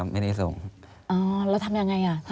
อันดับ๖๓๕จัดใช้วิจิตร